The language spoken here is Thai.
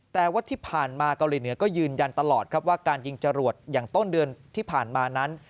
แต่ว่าที่ผ่านมาเกาหลีเหนือก็ยืนยันตลอดครับว่าการยิงจรวดอย่างต้นเดือนที่ผ่านมานั้น